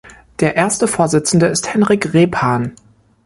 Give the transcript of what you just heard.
Der erste Vorsitzende ist Henrik Rebhan.